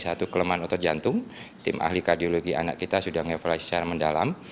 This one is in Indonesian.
satu kelemahan otot jantung tim ahli kardiologi anak kita sudah mengevaluasi secara mendalam